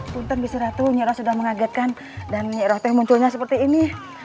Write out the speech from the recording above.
puntan kusiratu nyiroh sudah mengagetkan dan nyiroh teh munculnya seperti ini